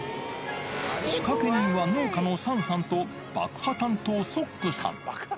仕掛け人は農家のサンさんと、爆破担当、ソックさん。